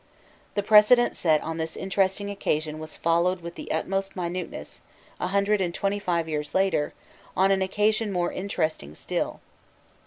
The precedent set on this interesting occasion was followed with the utmost minuteness, a hundred and twenty five years later, on an occasion more interesting still.